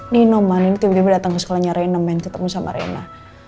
nino man ini tiba tiba datang ke sekolahnya rena men ketemu sama rena